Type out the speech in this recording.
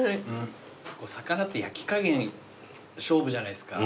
魚って焼き加減勝負じゃないですか。